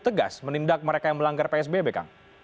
tegas menindak mereka yang melanggar psbb kang